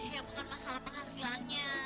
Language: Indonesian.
ya bukan masalah penghasilannya